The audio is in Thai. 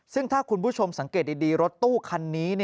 ซึ่งถ้าคุณผู้ชมสังเกตดีรถตู้คันนี้